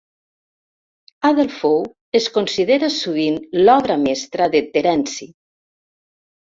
"Adelphoe" es considera sovint l'obra mestra de Terence.